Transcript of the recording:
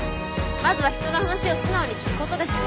まずは人の話を素直に聞くことですね。